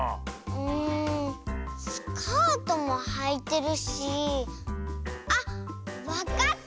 んスカートもはいてるしあっわかった！